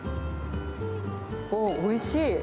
おー、おいしい。